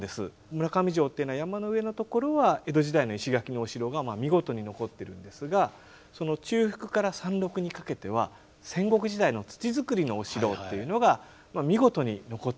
村上城っていうのは山の上のところは江戸時代の石垣のお城が見事に残ってるんですが中腹から山麓にかけては戦国時代の土づくりのお城というのが見事に残っていまして。